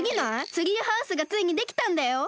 ツリーハウスがついにできたんだよ！